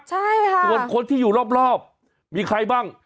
ใช่ค่ะส่วนคนที่อยู่รอบมีใครบ้าง